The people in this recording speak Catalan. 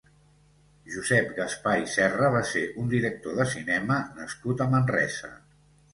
Josep Gaspar i Serra va ser un director de cinema nascut a Manresa.